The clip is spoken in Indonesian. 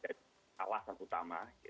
ya jadi alasan utama gitu